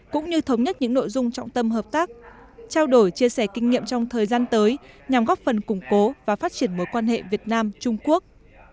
cũng như thống nhất những nội dung trọng tâm hợp tác trao đổi chia sẻ kinh nghiệm trong thời gian tới nhằm góp phần củng cố và phát triển mối quan hệ việt nam trung quốc